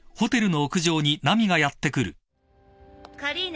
カリーナ。